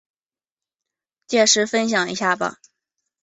届时分享一下吧